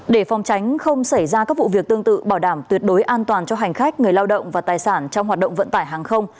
để phòng tránh không xảy ra các vụ việc tương tự bảo đảm tuyệt đối an toàn cho hành khách người lao động và tài sản trong hoạt động vận tải hàng không